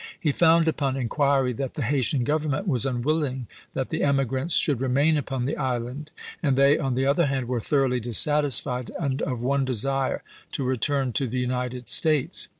He found upon inquiry that the Haytian Grovernment was unwilling that the emigrants should remain upon the island, and they, on the other hand, were thoroughly dissatisfied, and of one desire to return to the United States.